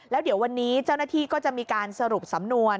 แล้วเดี๋ยววันนี้เจ้าหน้าที่ก็จะมีการสรุปสำนวน